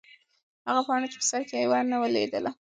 هغه پاڼه چې په سر کې وه نه لوېده.